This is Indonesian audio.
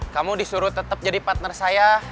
kamu disuruh tetap jadi partner saya